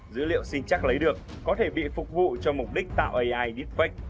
dữ liệu sinh chắc lấy được có thể bị phục vụ cho mục đích tạo ai deepfake